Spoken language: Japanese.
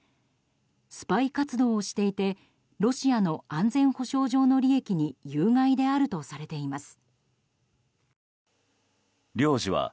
スパイ活動をしていてロシアの安全保障上の利益に有害であるとされています。